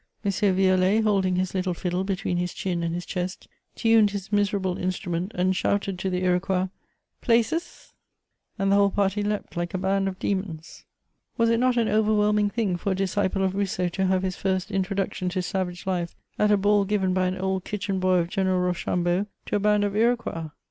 M. Violet holding his little fiddle between his chin and his chest, tuned his miserable instrument, and shouted to the Iroquois, ''places," and the whole party leaped like a band of demons. Was it not an overwhelming thing for a discijde of Rousseau to have his first introduction to savage life, at a ball given by an old kitchen boy of General Rochambeau, to a band of Iroquois